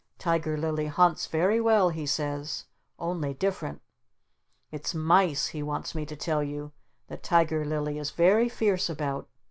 Tiger Lily hunts very well he says, 'only different.' It's mice, he wants me to tell you, that Tiger Lily is very fierce about.